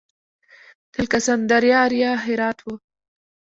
د الکسندریه اریا هرات و